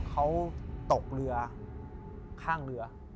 เขาตกเรือข้างเรือ